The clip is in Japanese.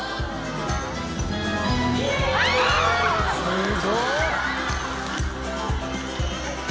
すごい！